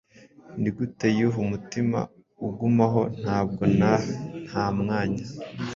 Nigute yuh umutima ugumaho, ntabwo nah nta mwanya?